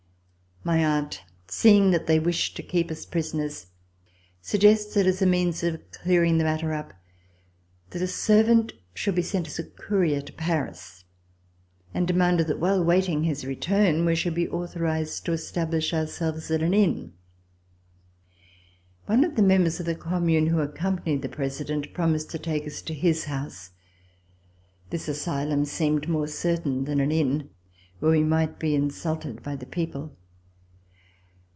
My aunt, seeing that they wished to keep us prisoners, suggested, as a means of clear C117] RECOLLECTIONS OF THE REVOLUTION ing the matter up, that a servant should be sent as a courier to Paris, and demanded that while awaiting his return we should be authorized to establish our selves at an inn. One of the members of the Commune who accompanied the President, proposed to take us to his house. This asylum seemed more certain than an inn, where we might be insulted by the people.